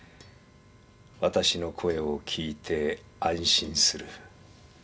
わたしの声を聞いて安心する。